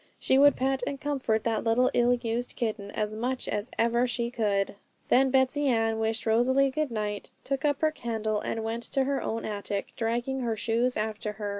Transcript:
She would pet and comfort that little ill used kitten as much as ever she could. Then Betsey Ann wished Rosalie good night, took up her candle, and went to her own attic, dragging her shoes after her.